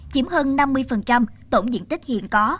chiếm hơn năm mươi tổng diện tích hiện có